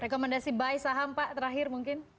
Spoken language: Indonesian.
rekomendasi bayi saham pak terakhir mungkin